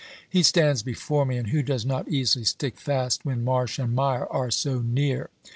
He stands before me, and who does not easily stick fast when marsh and mire are so near?